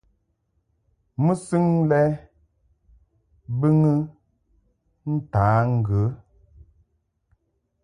Mɨsɨŋ lɛ bɨŋɨ ntǎ ŋgə.